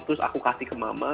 terus aku kasih ke mama